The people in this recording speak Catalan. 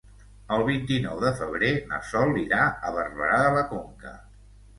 El vint-i-nou de febrer na Sol irà a Barberà de la Conca.